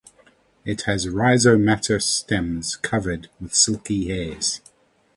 It has rhizomatous stems covered with silky hairs.